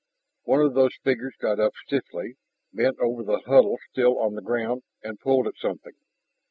One of those figures got up stiffly, bent over the huddle still on the ground, and pulled at something.